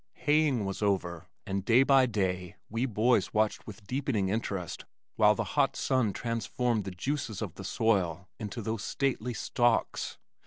Haying was over, and day by day we boys watched with deepening interest while the hot sun transformed the juices of the soil into those stately stalks.